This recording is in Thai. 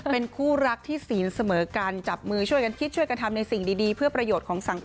เป็นคู่รักที่ศีลเสมอกันจับมือช่วยกันคิดช่วยกันทำในสิ่งดีเพื่อประโยชน์ของสังคม